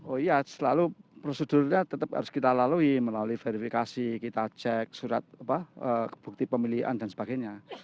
oh iya selalu prosedurnya tetap harus kita lalui melalui verifikasi kita cek surat bukti pemilihan dan sebagainya